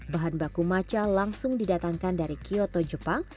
bahan baku maca langsung didatangkan dari kyoto jepang